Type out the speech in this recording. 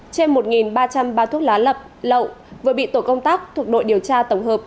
trên một ba trăm linh bao thuốc lá lập lậu vừa bị tổ công tác thuộc đội điều tra tổng hợp